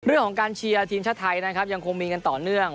เรื่องของการเชียร์ทีมชาติไทยนะครับยังคงมีกันต่อเนื่อง